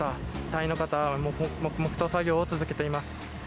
隊員の方黙々と作業を続けています。